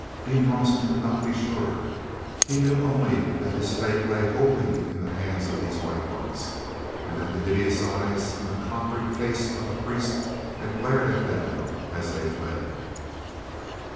Dean Rawson could not be sure. He knew only that his fate lay wholly in the hands of these White Ones—and that hideous eyes in the coppery face of a priest had glared at them as they fled.